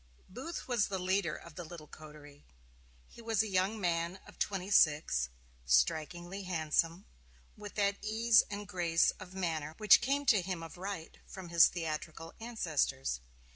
Booth was the leader of the little coterie. He was a young man of twenty six, strikingly handsome, with that ease and grace of manner which came to him of right from his theatrical ancestors.